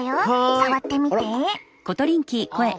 触ってみて！